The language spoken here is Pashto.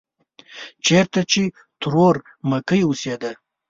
چېرته چې ترور مکۍ اوسېده.